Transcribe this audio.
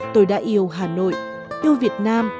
tôi đã yêu hà nội yêu việt nam